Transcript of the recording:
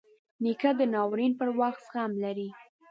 نیکه د ناورین پر وخت زغم لري.